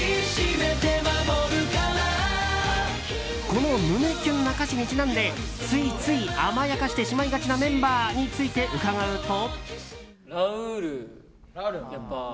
この胸キュンな歌詞にちなんでついつい甘やかしてしまいがちなメンバーについて伺うと。